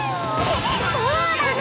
そうなの！